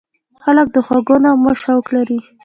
خلک د خوږو نغمو شوق لري.